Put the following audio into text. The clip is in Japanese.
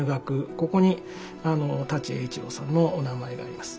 ここに舘栄一郎さんのお名前があります。